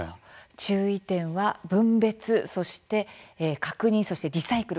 注意点は分別そして確認そしてリサイクル